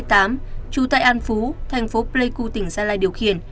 trú tại an phú thành phố pleiku tỉnh gia lai điều khiển